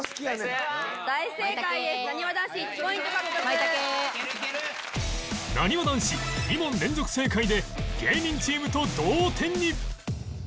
なにわ男子２問連続正解で芸人チームと同点に